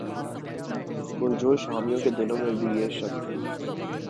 پرجوش حامیوں کے دلوں میں بھی یہ شک نہیں